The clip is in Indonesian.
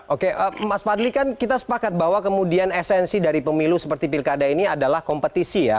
oke mas fadli kan kita sepakat bahwa kemudian esensi dari pemilu seperti pilkada ini adalah kompetisi ya